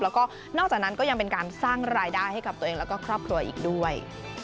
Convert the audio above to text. แล้วก็นอกจากนั้นก็ยังเป็นการสร้างรายได้ให้กับตัวเองแล้วก็ครอบครัวอีกด้วย